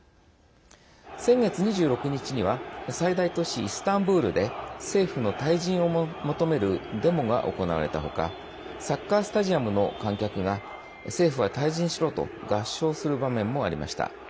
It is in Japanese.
先月２６日には最大都市イスタンブールで政府の退陣を求めるデモが行われた他サッカースタジアムの観客が政府は退陣しろ！と合唱する場面もありました。